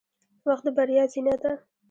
• وخت د بریا زینه ده.